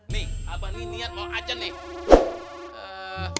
nih abah ni niat mau ajan nih